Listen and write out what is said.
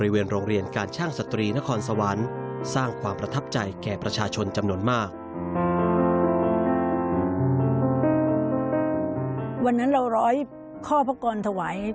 วันนั้นเราร้อยข้อพระกรถวาย